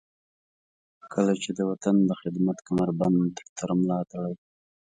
کله چې د وطن د خدمت کمربند تر ملاتړئ.